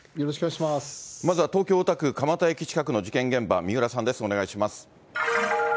まずは東京・大田区蒲田駅近くの事件現場、三浦さんです。